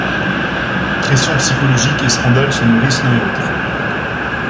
Pression psychologique et scandale se nourrissent l'un et l'autre.